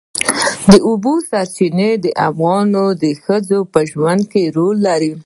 د اوبو سرچینې د افغان ښځو په ژوند کې رول لري.